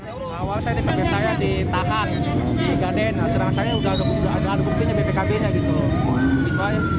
di tahan di gaden serangkanya sudah ada buktinya bpkb nya gitu